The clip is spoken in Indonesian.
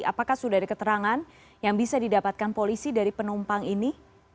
apakah sudah ada keterangan yang bisa didapatkan polisi dari penumpang ini